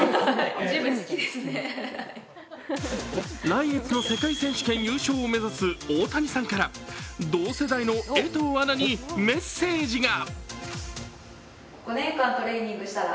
来月の世界選手権優勝を目指す大谷さんから同世代の江藤アナにメッセージが。